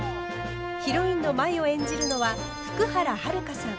ヒロインの舞を演じるのは福原遥さん。